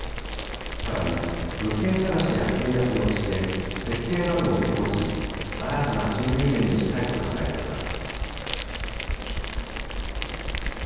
さらに、物件探しや契約の支援、設計なども受け持ち、新たな収入源にしたいと考えています。